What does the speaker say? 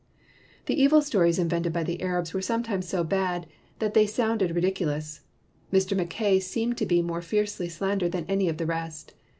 The evil stories invented by the Arabs were sometimes so bad that they sound ri diculous. Mr. Mackay seemed to be more fiercely slandered than any of the rest.